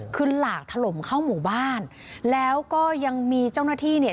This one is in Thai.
คือหลากถล่มเข้าหมู่บ้านแล้วก็ยังมีเจ้าหน้าที่เนี่ย